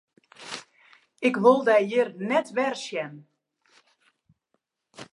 Ik wol dy hjir net wer sjen!